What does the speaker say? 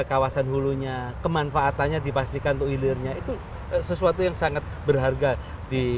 kawasan hulunya kemanfaatannya dipastikan untuk hilirnya itu sesuatu yang sangat berharga di